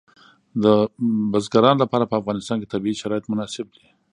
د بزګانو لپاره په افغانستان کې طبیعي شرایط مناسب دي.